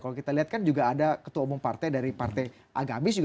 kalau kita lihat kan juga ada ketua umum partai dari partai agamis juga